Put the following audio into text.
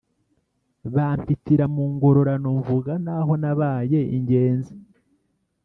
Bampitira mu ngororano, mvuga n’aho nabaye ingenzi